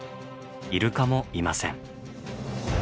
イルカもいません。